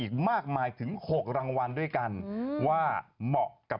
เขาก็มาก่อนเวลานะ